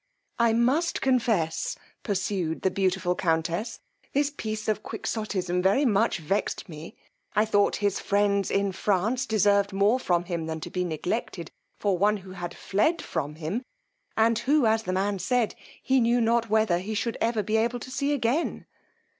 I must confess, pursued the beautiful countess, this piece of quixotism very much veved me: I thought his friends in France deserved more from him than to be neglected for one who fled from him, and who, as the man said, he knew not whether he should be able ever to see again.